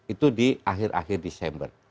itu di akhir akhir desember